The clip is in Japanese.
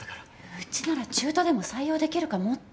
ウチなら中途でも採用できるかもって。